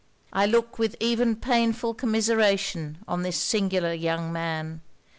I look with even painful commiseration on this singular young man.